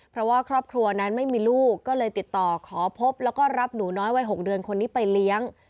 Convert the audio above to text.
เพราะว่าครอบครัวนั้นไม่มีลูกก็เลยติดต่อขอพบแล้วก็รับหนูน้อยวัย๖เดือนคนนี้ไปเลี้ยง